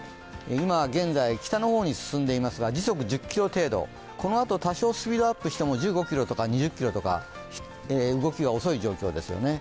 いま現在北の方に進んでいますが時速１０ｋｍ程度、このあと多少スピードアップしても１５キロとか２０キロとか動きが遅い状況ですよね。